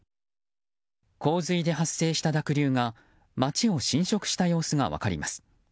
洪水で発生した濁流が街を侵食した様子が分かります。